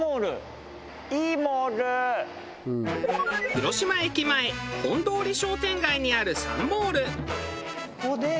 広島駅前本通商店街にあるサンモール。